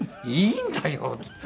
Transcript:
「いいんだよ！」。